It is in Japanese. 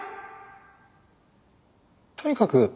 とにかく！